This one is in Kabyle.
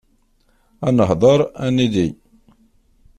Ad neḥder ad nili.